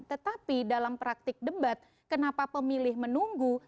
tetapi dalam praktik debat kenapa pemilih menunggu